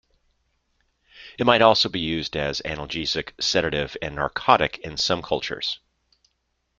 It might also be used as analgesic, sedative, and narcotic in some cultures.